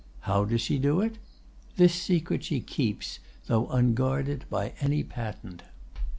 How does she do it? This secret she keeps, though unguarded by any patent.